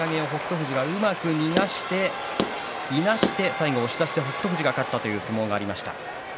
富士はうまくいなして最後押し出しで北勝富士が勝った相撲がありました。